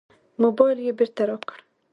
موبایل یې بېرته راکړ.